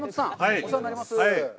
お世話になります。